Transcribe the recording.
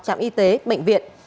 trạm y tế bệnh viện